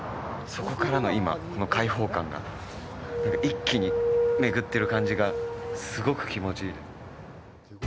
そこからの今の開放感が一気に巡ってる感じがすごく気持ちいいです。